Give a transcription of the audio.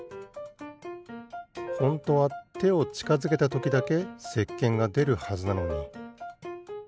ホントはてをちかづけたときだけせっけんがでるはずなのに。